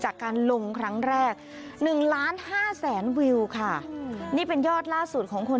จากการลงครั้งแรก๑๕๐๐๐๐๐วิวค่ะนี่เป็นยอดล่าสุดของคน